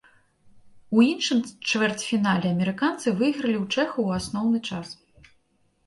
У іншым чвэрцьфінале амерыканцы выйгралі ў чэхаў у асноўны час.